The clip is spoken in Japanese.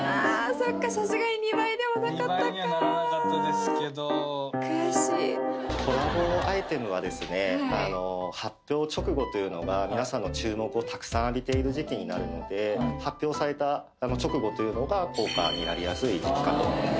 さすがに２倍ではなかったか２倍にはならなかったですけど発表直後というのが皆さんの注目をたくさん浴びている時期になるので発表された直後というのが高価になりやすい時期かと思います